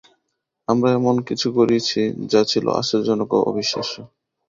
আমরা এমন কিছু করেছি যা ছিল আশ্চর্যজনক ও অবিশ্বাস্য।